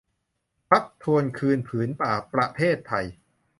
พรรคทวงคืนผืนป่าประเทศไทย